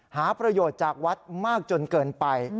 หาประโยชน์จากวัดมากจนเกินไป